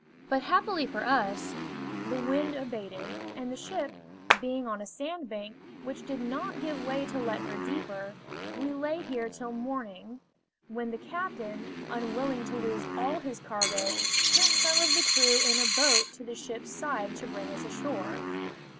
But happily for us the wind abated, and the ship being on a sandbank, which did not give way to let her deeper, we lay here till morning, when the captain, unwilling to lose all his cargo, sent some of the crew in a boat to the ship's side to bring us ashore.